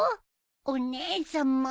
お姉さま。